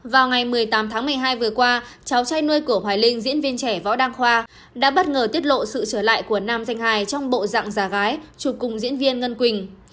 vào ngày một mươi tám tháng một mươi hai vừa qua cháu trai nuôi của hoài linh diễn viên trẻ võ đăng khoa đã bất ngờ tiết lộ sự trở lại của nam thanh hải trong bộ dặn già gái chụp cùng diễn viên ngân quỳnh